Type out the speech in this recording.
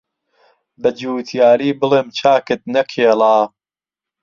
بەجوتیاری بڵێم چاکت نەکێڵا